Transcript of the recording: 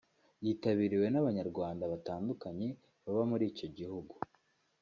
yitabiriwe n’Abanyarwanda batandukanye baba muri icyo gihugu